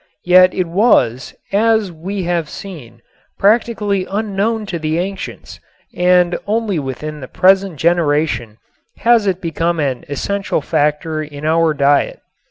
Yet it was, as we have seen, practically unknown to the ancients and only within the present generation has it become an essential factor in our diet.